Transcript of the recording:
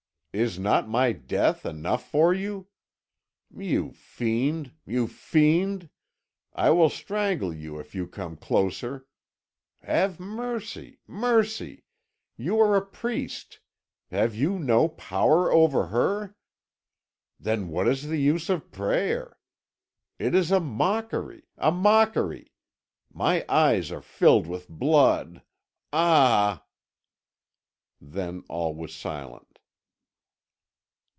Is not my death enough for you? You fiend you fiend! I will strangle you if you come closer. Have mercy mercy! You are a priest; have you no power over her? Then what is the use of prayer? It is a mockery a mockery! My eyes are filled with blood! Ah!" Then all was silent.